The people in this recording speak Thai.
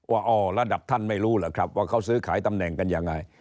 ว่าอ๋อระดับท่านไม่รู้เหรอครับว่าเขาซื้อขายตำแหน่งกันยังไง